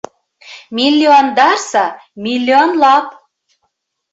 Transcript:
Миллиондарса, миллионлап